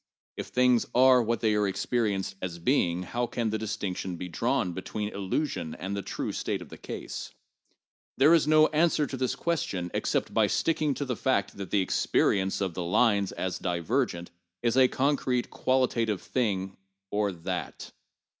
If things are what they are experienced as being, how can there be the distinction that we draw between illu sion and the true state of the case 1 There is no answer to this ques tion except by sticking to the fact that the experience of the lines as divergent is a concrete qualitative thing or that.